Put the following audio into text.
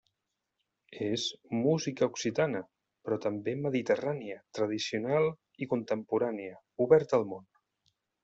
És música occitana, però també mediterrània, tradicional i contemporània, oberta al món.